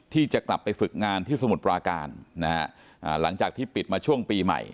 ที่จะกลับไปฝึกงานที่สมุทรปราการนะฮะหลังจากที่ปิดมาช่วงปีใหม่